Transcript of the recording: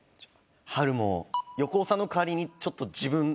春も横尾さんの代わりにちょっと自分。